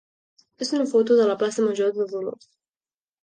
és una foto de la plaça major de Dolors.